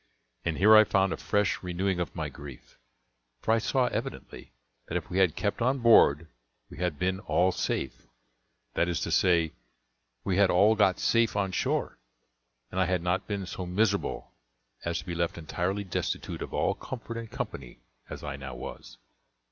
And here I found a fresh renewing of my grief; for I saw evidently that if we had kept on board we had been all safe that is to say, we had all got safe on shore, and I had not been so miserable as to be left entirely destitute of all comfort and company as I now was.